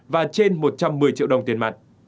và trên một trăm một mươi triệu đồng tiền mặt